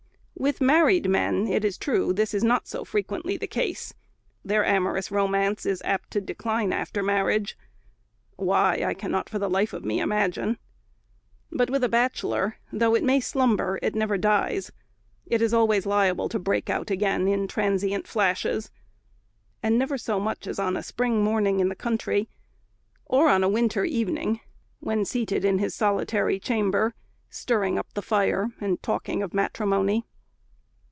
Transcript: With married men, it is true, this is not so frequently the case; their amorous romance is apt to decline after marriage; why, I cannot for the life of me imagine; but with a bachelor, though it may slumber, it never dies. It is always liable to break out again in transient flashes, and never so much as on a spring morning in the country; or on a winter evening, when seated in his solitary chamber, stirring up the fire and talking of matrimony.